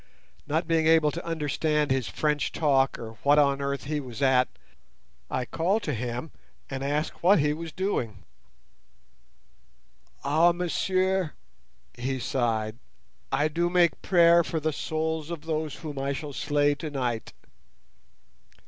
Not being able to understand his French talk or what on earth he was at, I called to him and asked him what he was doing. "Ah, monsieur," he sighed, "I do make prayer for the souls of those whom I shall slay tonight."